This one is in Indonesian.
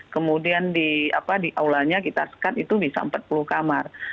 kemudian di aulanya kita sekat itu bisa empat puluh kamar